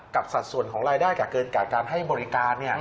สัดส่วนของรายได้กับเกินจากการให้บริการ